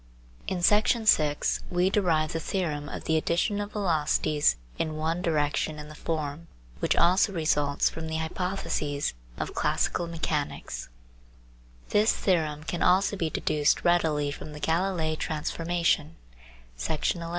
In Section 6 we derived the theorem of the addition of velocities in one direction in the form which also results from the hypotheses of classical mechanics This theorem can also be deduced readily horn the Galilei transformation (Section 11).